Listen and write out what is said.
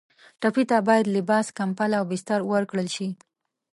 ټپي ته باید لباس، کمپله او بستر ورکړل شي.